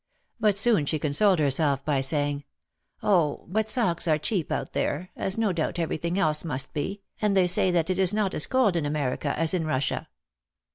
But soon she consoled herself by saying, "Oh, but socks are cheap out there, as no doubt every thing else must be, and they say that it is not as cold in America as in Russia."